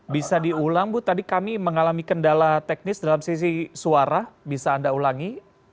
bisa diulang bu tadi kami mengalami kendala teknis dalam sisi suara bisa anda ulangi